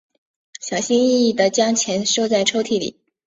小心翼翼地将钱收在抽屉里